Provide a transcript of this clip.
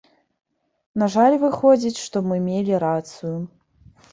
На жаль, выходзіць, што мы мелі рацыю.